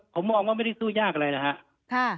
ผมมองว่าไม่ได้สู้ยากอะไรนะครับ